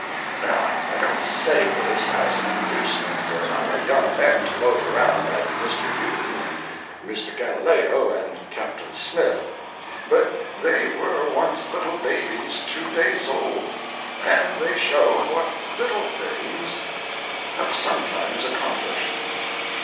Now, I don't say this as an inducement for our young men to loaf around like Mr. Newton and Mr. Galileo and Captain Smith, but they were once little babies two days old, and they show what little things have sometimes accomplished.